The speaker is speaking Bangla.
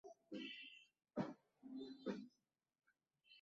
আমি তোমাকে বলেছিলাম।